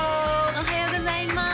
おはようございます